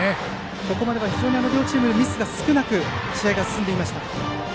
ここまでは非常に両チームミスが少なく試合が進んでいました。